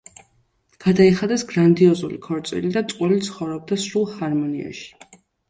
გადაიხადეს გრანდიოზული ქორწილი და წყვილი ცხოვრობდა სრულ ჰარმონიაში.